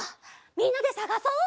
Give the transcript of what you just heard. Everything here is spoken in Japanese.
みんなでさがそっ！